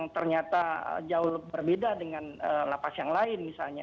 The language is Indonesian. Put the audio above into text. ternyata jauh berbeda dengan lapas yang lain misalnya